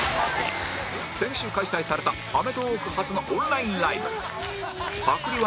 先週開催された『アメトーーク』初のオンラインライブ